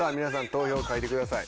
投票書いてください。